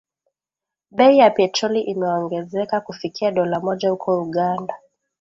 Bei ya petroli imeongezeka kufikia dola moja huko Uganda